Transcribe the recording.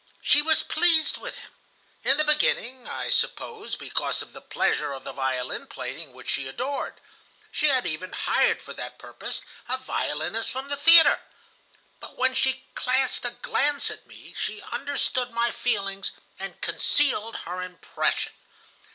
She was pleased with him. In the beginning, I suppose, because of the pleasure of the violin playing, which she adored. She had even hired for that purpose a violinist from the theatre. But when she cast a glance at me, she understood my feelings, and concealed her impression.